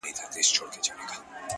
يوه لحظه مې په ارام د دې نه تېره نه کړه